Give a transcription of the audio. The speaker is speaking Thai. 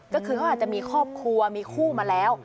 ก็คือเขาอาจจะมีครอบครัวมีคู่มาแล้ว